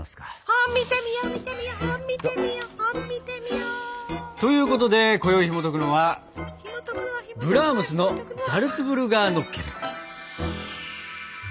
本見てみよう見てみよう本見てみよう本見てみよう。ということでこよいひもとくのは「ブラームスのザルツブルガーノッケルン」。